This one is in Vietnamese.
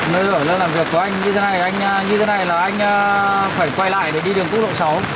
nơi ở nơi làm việc của anh như thế này là anh phải quay lại để đi đường cúc lộ sáu